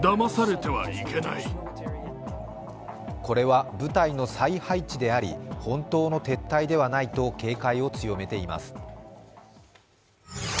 これは部隊の再配置であり本当の撤退ではないと警戒を強めています。